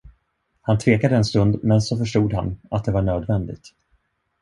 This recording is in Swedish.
Han tvekade en stund, men så förstod han, att det var nödvändigt.